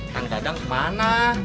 kang dadang kemana